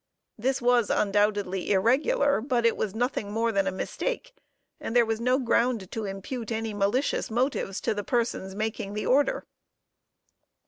This was undoubtedly irregular, but it was nothing more than a mistake, and there was no ground to impute any malicious motives to the persons making the order."